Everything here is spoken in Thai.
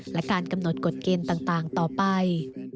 และการกำหนดกฎเกณฑ์ต่างต่อไป